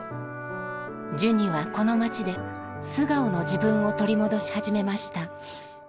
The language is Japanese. ジュニはこの街で素顔の自分を取り戻し始めました。